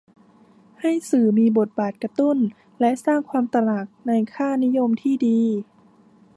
ให้สื่อมีบทบาทกระตุ้นและสร้างความตระหนักในค่านิยมที่ดี